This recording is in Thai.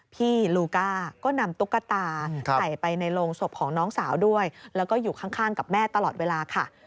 พี่ลูก้าก็นำตุ๊กตาใส่ไปในโรงศพของน้องสาวด้วยแล้วก็อยู่ข้างกับแม่ตลอดเวลาค่ะ